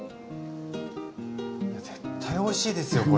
絶対おいしいですよこれ。